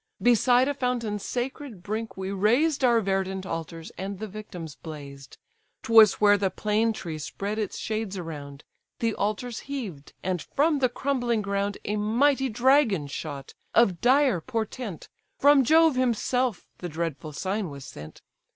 Beside a fountain's sacred brink we raised Our verdant altars, and the victims blazed: 'Twas where the plane tree spread its shades around, The altars heaved; and from the crumbling ground A mighty dragon shot, of dire portent; From Jove himself the dreadful sign was sent.